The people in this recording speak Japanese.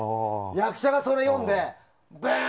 役者がそれを読んでブー！